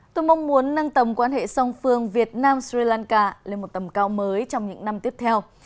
tôi mong muốn nâng tầm quan hệ song phương việt nam sri lanka lên một tầm cao mới trong những năm tiếp theo